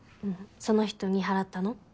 その人に払ったの？